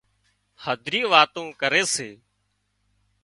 هڌريون واتون ڪري سي